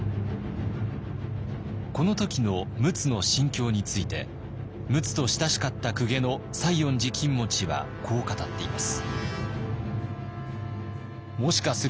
この時の陸奥の心境について陸奥と親しかった公家の西園寺公望はこう語っています。